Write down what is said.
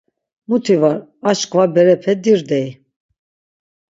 Muti var aşǩva berepe dirdey.